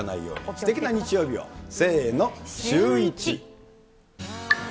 すてきな日曜日を、せーのシューイチ。